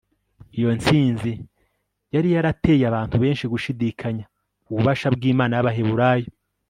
iyo ntsinzi yari yarateye abantu benshi gushidikanya ububasha bw'imana y'abaheburayo